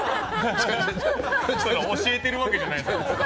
教えてるわけじゃないですよ。